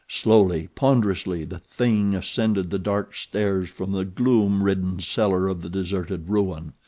Slowly, ponderously the THING ascended the dark stairs from the gloom ridden cellar of the deserted ruin.